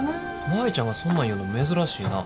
舞ちゃんがそんなん言うの珍しいな。